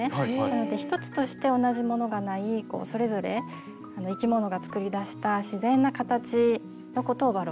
なので１つとして同じものがないそれぞれ生きものが作り出した自然な形のことをバロックパールといいます。